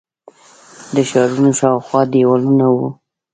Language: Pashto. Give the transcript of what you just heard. د ښارونو شاوخوا دیوالونه وو